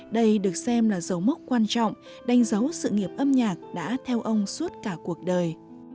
đây được xem là dấu mốc quan trọng đánh dấu sự nghiệp âm nhạc đã theo ông suốt cả cuộc đời